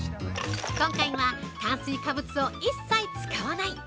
今回は、炭水化物を一切使わない！